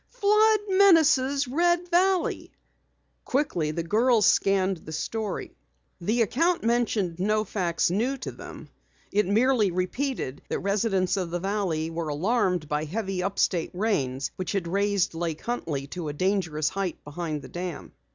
"FLOOD MENACES RED VALLEY!" Quickly the girls scanned the story. The account mentioned no facts new to them. It merely repeated that residents of the valley were alarmed by heavy up state rains which had raised Lake Huntley to a dangerous height behind the dam.